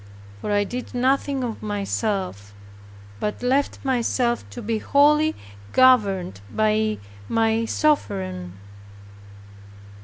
For I did nothing of myself, but left myself to be wholly governed by my Sovereign.